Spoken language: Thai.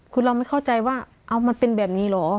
คือเราไม่เข้าใจว่ามันเป็นแบบนี้เหรอ